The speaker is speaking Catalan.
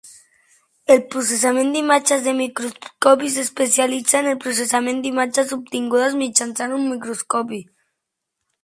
El processament d'imatges de microscopi s'especialitza en el processament d'imatges obtingudes mitjançant un microscopi.